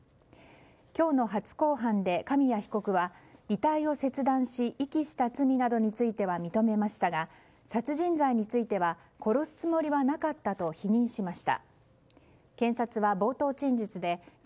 今日の初公判で、紙谷被告は遺体を切断し遺棄した罪などについては認めましたが殺人罪については殺すつもりはなかったと否認しました。